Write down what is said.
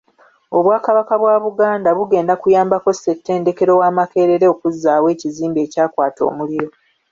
Obwakabaka bwa Buganda bugenda kuyambako Ssettendekero wa Makerere okuzzaawo ekizimbe ekyakwata omuliro.